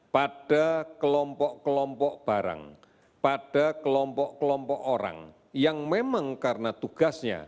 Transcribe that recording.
pada kelompok kelompok barang pada kelompok kelompok orang yang memang karena tugasnya